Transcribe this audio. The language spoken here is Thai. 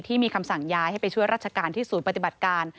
ที่มีคำสั่งย้ายให้ไปช่วยราชการที่ศูนย์ปฏิบัติการ